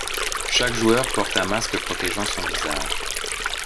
Chaque joueur porte un masque protégeant son visage.